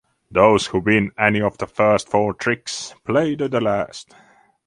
Those who win any of the first four tricks play to the last.